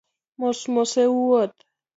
Mos mos e wuoth